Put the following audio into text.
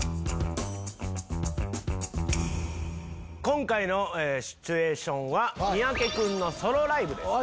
今回のシチュエーションは三宅君のソロライブです。